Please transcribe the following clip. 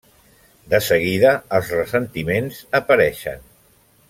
De seguida els ressentiments apareixen.